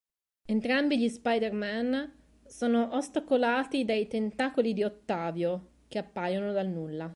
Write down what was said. Entrambi gli Spider-Men sono ostacolati dai tentacoli di Ottavio, che appaiono dal nulla.